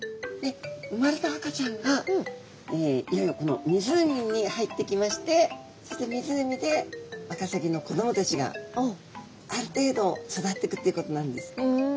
生まれた赤ちゃんがいよいよこの湖に入ってきましてそして湖でワカサギの子どもたちがある程度育ってくっていうことなんです。